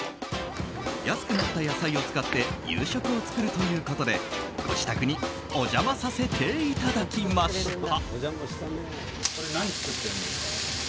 安くなった野菜を使って夕食を作るということでご自宅にお邪魔させていただきました。